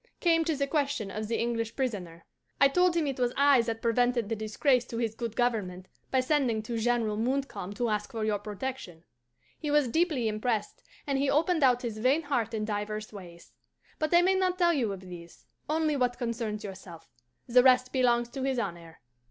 came to the question of the English prisoner. I told him it was I that prevented the disgrace to his good government by sending to General Montcalm to ask for your protection. "He was deeply impressed, and he opened out his vain heart in divers ways. But I may not tell you of these only what concerns yourself; the rest belongs to his honour.